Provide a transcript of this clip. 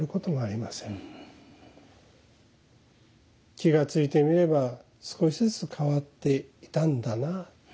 気がついてみれば少しずつ変わっていたんだな。